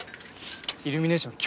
イルミネーション